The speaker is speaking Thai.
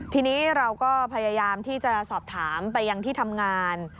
ทีนี้เราก็พยายามที่จะสอบถามไปยังที่ทำงาน